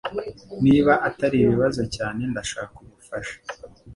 Niba atari ibibazo cyane ndashaka ubufasha